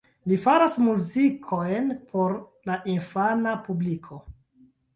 Li faras muzikojn por la infana publiko.